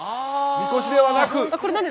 みこしではなく！